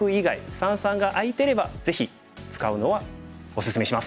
三々が空いてればぜひ使うのはおすすめします。